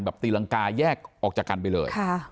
ตีรังกาแยกออกจากกันไปเลย